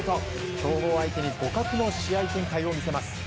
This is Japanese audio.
強豪相手に互角の試合展開を見せます。